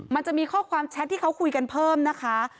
มันจะมีข้อความแชทที่เขาคุยกันเพิ่มนะคะ